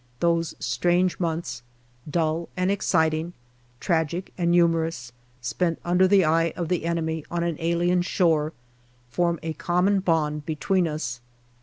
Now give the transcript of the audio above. Those strange months dull and ex citing, tragic and humorous, spent under the eye of the enemy on an alien shore form a common bond between us.